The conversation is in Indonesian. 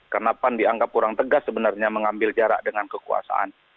karena pan dianggap kurang tegas sebenarnya mengambil jarak dengan kekuasaan